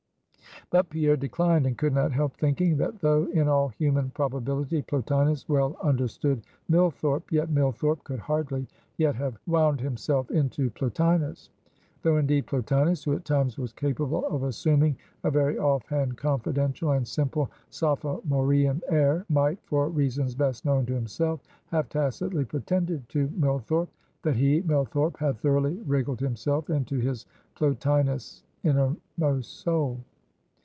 But Pierre declined; and could not help thinking, that though in all human probability Plotinus well understood Millthorpe, yet Millthorpe could hardly yet have wound himself into Plotinus; though indeed Plotinus who at times was capable of assuming a very off hand, confidential, and simple, sophomorean air might, for reasons best known to himself, have tacitly pretended to Millthorpe, that he (Millthorpe) had thoroughly wriggled himself into his (Plotinus') innermost soul.